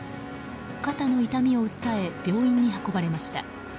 肩の痛みを訴え病院に運ばれました。